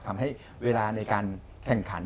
ทำให้เวลาในการแข่งขัน